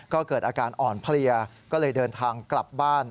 ก็เกิดอาการอ่อนเพลียก็เลยเดินทางกลับบ้าน